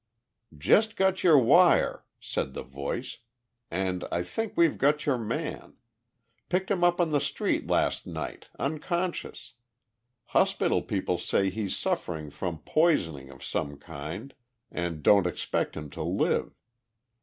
"Just got your wire," said the voice, "and I think we've got your man. Picked him up on the street last night, unconscious. Hospital people say he's suffering from poisoning of some kind and don't expect him to live.